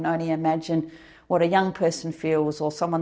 kemampuan yang saya kerjakan